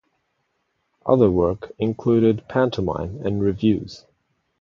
Other work included pantomime and reviews.